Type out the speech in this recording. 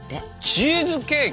チーズケーキ？